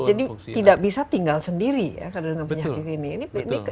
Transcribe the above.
jadi tidak bisa tinggal sendiri ya